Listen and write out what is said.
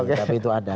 tapi itu ada